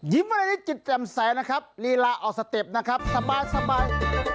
ยิ้มเวลานี้จิตจำใสนะครับลีลาออกสเต็ปนะครับสบายสบาย